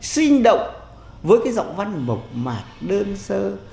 sinh động với giọng văn mộc mạc đơn sơ